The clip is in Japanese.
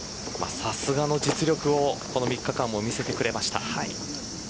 さすがの実力をこの３日間も見せてくれました。